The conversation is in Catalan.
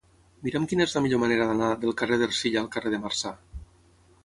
Mira'm quina és la millor manera d'anar del carrer d'Ercilla al carrer de Marçà.